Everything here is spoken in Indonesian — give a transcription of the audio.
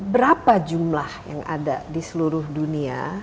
berapa jumlah yang ada di seluruh dunia